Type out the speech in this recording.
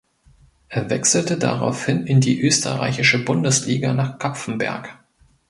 Er wechselte daraufhin in die österreichische Bundesliga nach Kapfenberg.